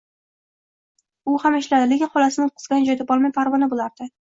U ham ishlardi, lekin xolasini o`tqizgani joy topolmay parvona bo`lardi